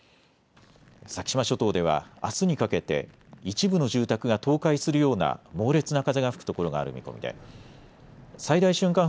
先島諸島ではあすにかけて一部の住宅が倒壊するような猛烈な風が吹くところがある見込みで最大瞬間